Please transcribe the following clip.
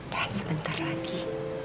dan sebentar lagi